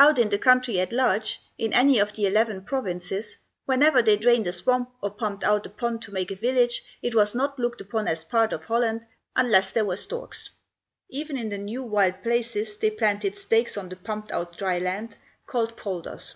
Out in the country at large, in any of the eleven provinces, whenever they drained a swamp, or pumped out a pond to make a village, it was not looked upon as a part of Holland, unless there were storks. Even in the new wild places they planted stakes on the pumped out dry land, called polders.